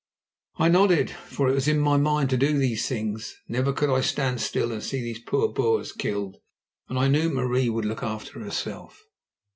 I nodded, for it was in my mind to do these things. Never could I stand still and see those poor Boers killed, and I knew that Marie would look after herself.